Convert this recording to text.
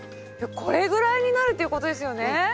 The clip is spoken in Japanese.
これぐらいになるということですよね？